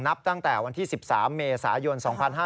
นับตั้งแต่วันที่๑๓เมษายน๒๕๕๙